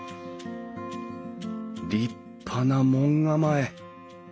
立派な門構え。